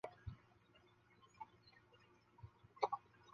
它涵盖医学和医学教育研究所有分支的临床实践的研究转化。